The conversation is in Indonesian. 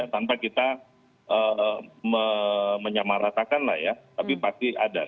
tanpa kita menyamaratakan lah ya tapi pasti ada